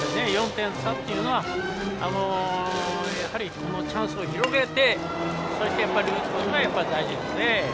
４点差というのはやはりチャンスを広げてそして打つことが大事ですね。